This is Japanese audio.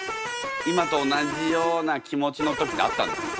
今と同じような気持ちの時ってあったんですか？